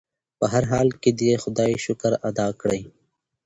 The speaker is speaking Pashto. په هر حال کې د خدای شکر ادا کړئ.